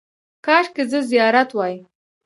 – کاشکې زه زیارت وای.